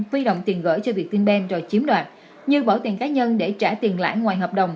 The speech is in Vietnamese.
vi động tiền gửi cho việt tinh ben rồi chiếm đoạt như bỏ tiền cá nhân để trả tiền lãi ngoài hợp đồng